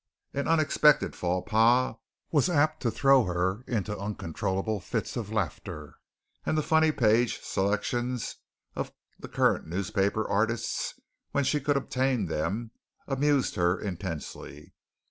An unexpected faux pas was apt to throw her into uncontrollable fits of laughter and the funny page selections of the current newspaper artists, when she could obtain them, amused her intensely.